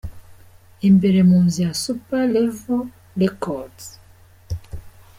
Imbere mu nzu ya Super Level Records.